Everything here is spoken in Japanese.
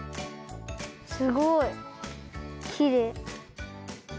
すごいきれい。